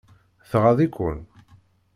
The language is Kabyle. Tɣaḍ-iken?